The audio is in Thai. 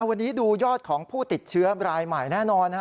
วันนี้ดูยอดของผู้ติดเชื้อรายใหม่แน่นอน